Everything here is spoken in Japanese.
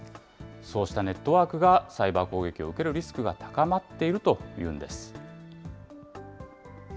そうしたネットワークがサイバー攻撃を受けるリスクが高まっているというんです。